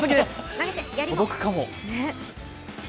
届くかも。